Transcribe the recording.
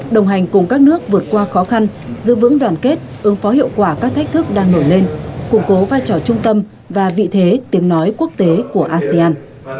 đồng hành cùng các nước vượt qua khó khăn giữ vững đoàn kết ứng phó hiệu quả các thách thức đang nổi lên củng cố vai trò trung tâm và vị thế tiếng nói quốc tế của asean